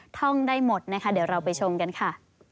ท่องได้หมดนะคะเดี๋ยวเราไปชมกันค่ะ